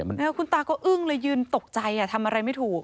คุณตาก็อึ้งเลยยืนตกใจทำอะไรไม่ถูก